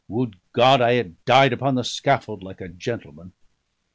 Would God I had died upon the scaffold like a gentleman!"